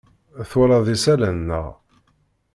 Twalaḍ isalan, naɣ?